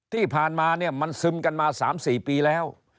ที่ผ่านมาเนี่ยมันซึมกันมา๓๔ปีแล้ว